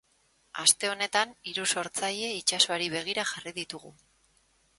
Aste honetan hiru sortzaile itsasoari begira jarri ditugu.